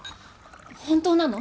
本当なの？